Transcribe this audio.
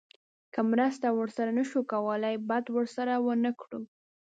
که مرسته ورسره نه شو کولی بد ورسره ونه کړو.